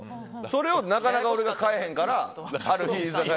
それをなかなか俺が変えへんからある日。